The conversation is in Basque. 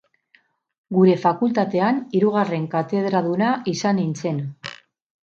Gure fakultatean, hirugarren katedraduna izan nintzen.